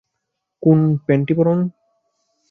কোন প্যান্টি পর নি!